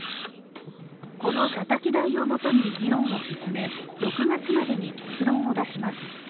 このたたき台をもとに議論を進め６月までに結論を出します。